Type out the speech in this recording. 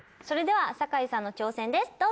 それでは酒井さんの挑戦です。